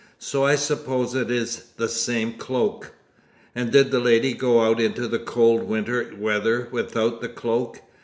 So I suppose it is the same cloak." "And did the lady go out into the cold winter weather without the cloak?"